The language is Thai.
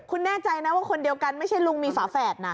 คุณแน่ใจนะว่าคนเดียวกันไม่ใช่ลุงมีฝาแฝดนะ